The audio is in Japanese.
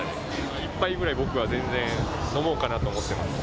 １杯ぐらい僕は全然、飲もうかなと思ってます。